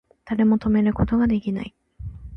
誰も止めること出来ない